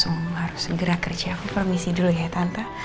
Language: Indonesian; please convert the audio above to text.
aku langsung harus segera kerja aku permisi dulu ya tante